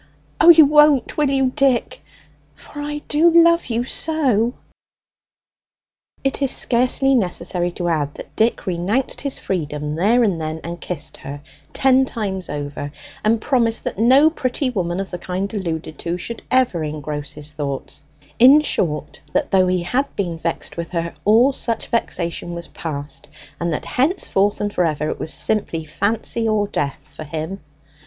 O, you won't, will you, Dick, for I do love you so!" It is scarcely necessary to add that Dick renounced his freedom there and then, and kissed her ten times over, and promised that no pretty woman of the kind alluded to should ever engross his thoughts; in short, that though he had been vexed with her, all such vexation was past, and that henceforth and for ever it was simply Fancy or death for him.